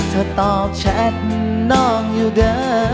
ตอบแชทน้องอยู่เด้อ